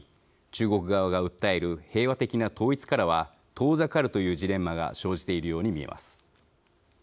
中国側が訴える平和的な統一からは遠ざかるというジレンマが生じているように見えます。